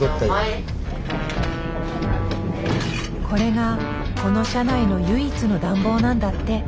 これがこの車内の唯一の暖房なんだって。